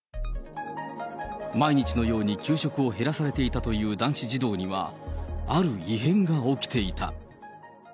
毎日のように給食を減らされていたという男子児童には、ある異変が起きていた。